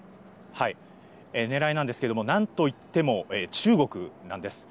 ねらいなんですけども、なんといっても中国なんです。